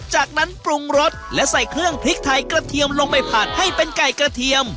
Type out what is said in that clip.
จากนั้นปรุงรสและใส่เครื่องพริกไทยกระเทียมลงไปผัดให้เป็นไก่กระเทียม